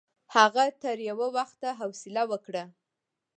هغه تر یوه وخته حوصله وکړه.